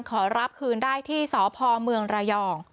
ขอรับคืนได้ที่สพเมืองระยอง